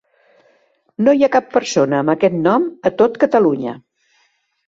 “No hi ha cap persona amb aquest nom a tot Catalunya”.